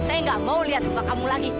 saya nggak mau lihat rumah kamu lagi